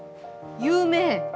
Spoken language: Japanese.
有名？